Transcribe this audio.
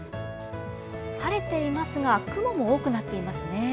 晴れていますが雲も多くなっています。